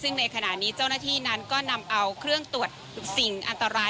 ซึ่งในขณะนี้เจ้าหน้าที่นั้นก็นำเอาเครื่องตรวจสิ่งอันตราย